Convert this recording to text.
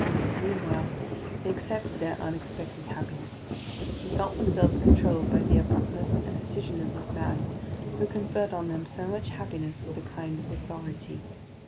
Meanwhile they accepted their unexpected happiness. They felt themselves controlled by the abruptness and decision of this man who conferred on them so much happiness with a kind of authority.